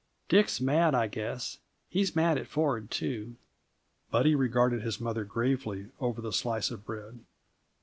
"Dick's mad, I guess. He's mad at Ford, too." Buddy regarded his mother gravely over the slice of bread.